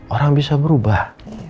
orang bisa berubah